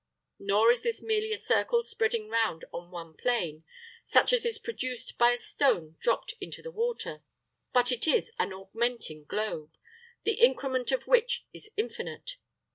Nor is this merely a circle spreading round on one plane, such as is produced by a stone dropped into the water, but it is an augmenting globe, the increment of which is infinite.